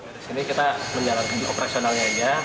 dari sini kita menjalankan operasionalnya aja